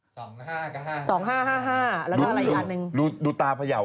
สองห้าก็ห้าสองห้าห้าห้าแล้วก็อะไรอีกอันหนึ่ง